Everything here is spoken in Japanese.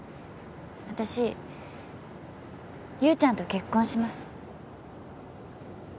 私優ちゃんと結婚します。